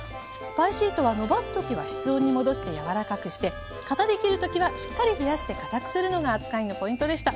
パイシートはのばす時は室温に戻して柔らかくして型で切る時はしっかり冷やしてかたくするのが扱いのポイントでした。